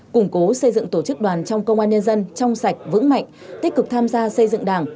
củng cố xây dựng tổ chức đoàn trong công an nhân dân trong sạch vững mạnh tích cực tham gia xây dựng đảng